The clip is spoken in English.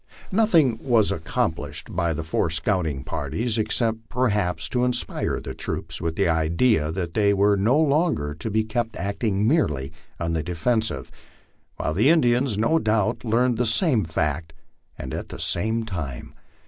Nothing was accomplished by the four scouting parties except, perhaps, to inspire the troops with the idea that they were no longer to be kept acting merely on the defensive, while the Indians, no doubt, learned the same fact, and at the same time.